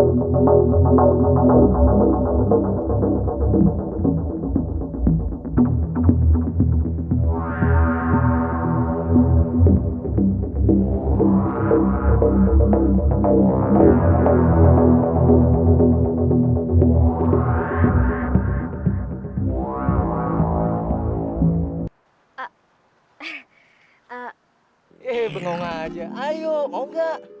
kamu sih bang